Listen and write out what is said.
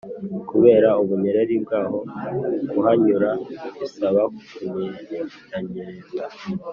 Kubera ubunyereri bwaho kuhanyura bisaba kunyeranyereza